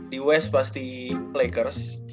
di west pasti lakers